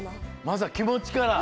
まずはきもちから。